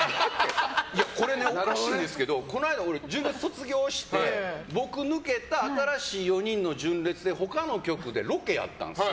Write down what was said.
これ、おかしいんですけどこの間、純烈卒業して僕抜けた新しい４人の純烈で他の局でロケあったんですよ。